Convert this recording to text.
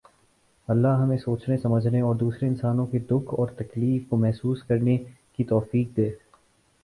اللہ ہمیں سوچنے سمجھنے اور دوسرے انسانوں کے دکھ اور تکلیف کو محسوس کرنے کی توفیق دے